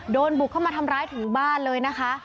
โดนบุกทำร้ายถูกบ้านเลยนะคะ